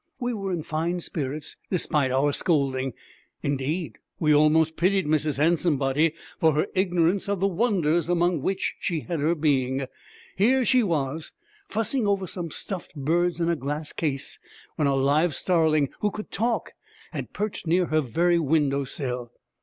We were in fine spirits despite our scolding. Indeed, we almost pitied Mrs. Handsomebody for her ignorance of the wonders among which she had her being. Here she was, fussing over some stuffed birds in a glass case, when a live starling, who could talk, had perched near her very window sill!